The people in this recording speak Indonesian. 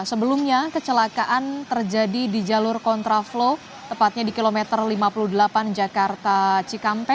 sebelumnya kecelakaan terjadi di jalur kontraflow tepatnya di kilometer lima puluh delapan jakarta cikampek